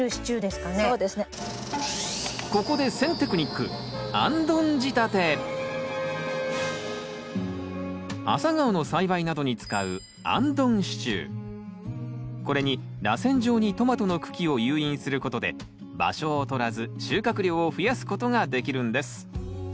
ここでアサガオの栽培などに使うこれにらせん状にトマトの茎を誘引することで場所をとらず収穫量を増やすことができるんです。